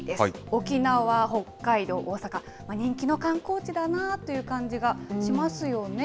沖縄、北海道、大阪、人気の観光地だなという感じがしますよね。